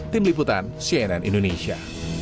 tim liputan cnn indonesia